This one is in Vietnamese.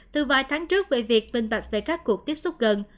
từ vài tháng trước về việc minh bạch về các cuộc tiếp xúc gần